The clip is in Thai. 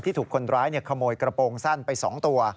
ถูกคนร้ายขโมยกระโปรงสั้นไป๒ตัว